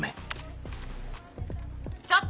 ☎ちょっと！